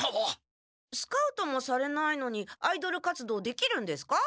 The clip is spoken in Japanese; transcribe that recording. スカウトもされないのにアイドル活動できるんですか？